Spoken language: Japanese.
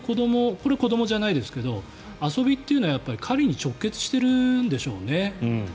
これ、子どもじゃないですけど遊びっていうのは狩りに直結してるんでしょうね。